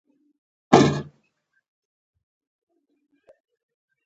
د اپینو استعمال د میلیونونو انسانان د تباهۍ سبب ګرځي.